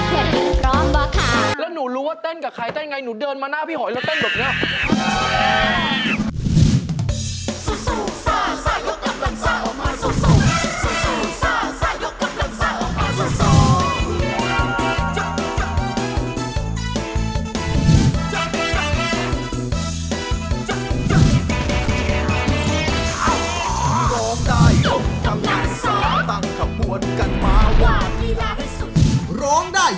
แล้วหนูรู้ว่าเต้นกับใครเต้นไงหนูเดินมาหน้าพี่หอยแล้วเต้น